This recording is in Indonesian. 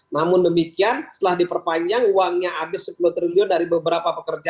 namun demikian setelah diperpanjang uangnya habis sepuluh triliun dari beberapa pekerja